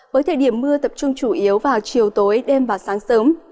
với thời điểm mưa tập trung chủ yếu vào chiều tối đêm và sáng sớm